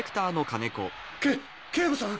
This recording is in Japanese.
け警部さん！